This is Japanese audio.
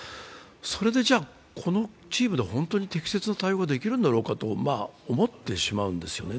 それでこのチームで本当に適切な対応ができるんだろうかと思ってしまうんですよね。